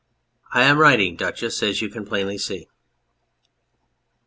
I am writing, Duchess, as you can plainly see.